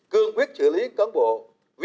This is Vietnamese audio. cần phải tổ chức ra sát đánh giá đúng thực trạng